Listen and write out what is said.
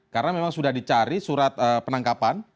karena memang sudah dicari surat penangkapan